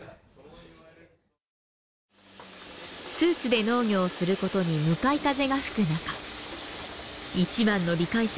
スーツで農業をすることに向かい風が吹く中一番の理解者は妻の美友生さんでした。